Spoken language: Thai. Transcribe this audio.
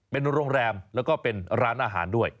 เป็นโรงแรมแล้วก็เป็นร้านอาหารด้วย